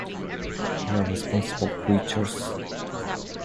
We are responsible creatures.